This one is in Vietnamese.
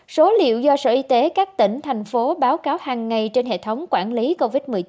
số liệu do sở y tế các tỉnh thành phố báo cáo hàng ngày trên hệ thống quản lý covid một mươi chín